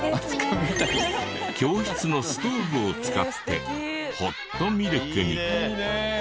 教室のストーブを使ってホットミルクに。